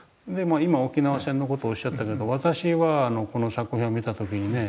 今沖縄戦の事をおっしゃったけど私はこの作品を見た時にね